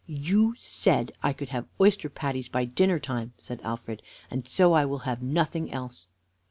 "You said I should have oyster patties by dinner time," said Alfred, "and so I will have nothing else."